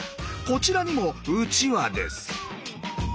こちらにもうちわです。